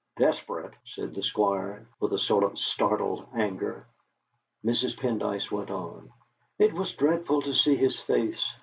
"Desperate?" said the Squire, with a sort of startled anger. Mrs. Pendyce went on: "It was dreadful to see his face.